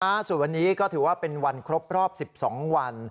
ส่วนวันนี้ก็ถือว่าเป็นวันครบรอบ๑๒วัน